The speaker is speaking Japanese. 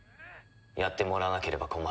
やってもらわなければ困る。